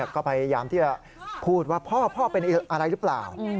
ก็พยายามที่จะพูดว่าพ่อเป็นอะไรหรือเปล่า